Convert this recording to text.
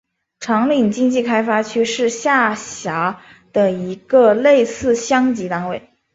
长岭经济开发区是下辖的一个类似乡级单位。